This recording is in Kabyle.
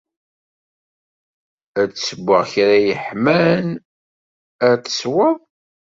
Ad d-ssewweɣ kra yeḥman ad t-tesweḍ?